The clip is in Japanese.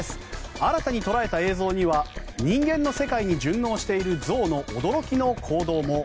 新たに捉えた映像には人間の世界に順応している象の驚きの行動も。